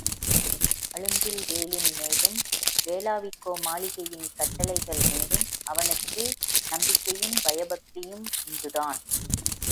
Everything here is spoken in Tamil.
அழும்பில்வேளின் மேலும், வேளாவிக்கோ மாளிகையின் கட்டளைகள் மேலும் அவனுக்கு நம்பிக்கையும் பயபக்தியும் உண்டுதான்.